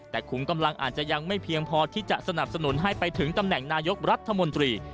แต่ขุมกำลังอาจจะยังไม่เพียงพอที่จะสนับสนุนให้ไปถึงตำแหน่งนายกรัฐมนตรี